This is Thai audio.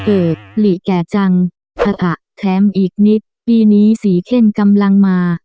หลีแก่จังถะแถมอีกนิดปีนี้สีเข้มกำลังมา